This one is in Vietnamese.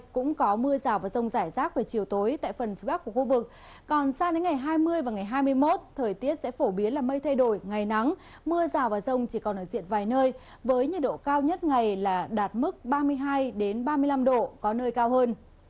còn sang đến ngày hai mươi và ngày hai mươi một thời tiết sẽ phổ biến là mây thay đổi ngày nắng mưa rào và rông chỉ còn ở diện vài nơi với nhiệt độ cao nhất ngày là đạt mức ba mươi hai ba mươi năm độ có nơi cao hơn